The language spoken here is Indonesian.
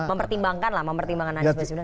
mempertimbangkan lah mempertimbangkan anies baswedan